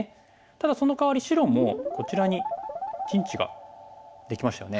ただそのかわり白もこちらに陣地ができましたよね。